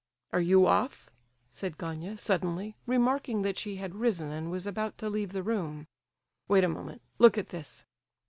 "Are you off?" said Gania, suddenly, remarking that she had risen and was about to leave the room. "Wait a moment—look at this."